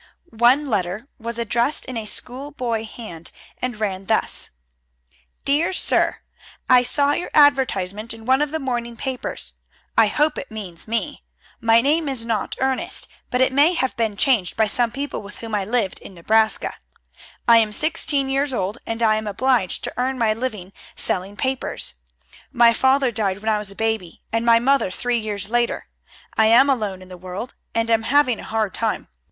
One letter was addressed in a schoolboy hand, and ran thus: Dear Sir: I saw your advertisement in one of the morning papers. I hope it means me. My name is not Ernest, but it may have been changed by some people with whom I lived in Nebraska. I am sixteen years old, and I am obliged to earn my living selling papers. My father died when I was a baby, and my mother three years later. I am alone in the world, and am having a hard time.